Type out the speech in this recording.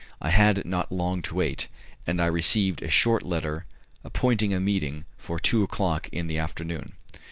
I had not long to wait, and I received a short letter appointing a meeting for two o'clock in the afternoon.